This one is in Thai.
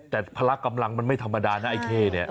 แต่พละกำลังมันไม่ธรรมดานะไอ้เข้เนี่ย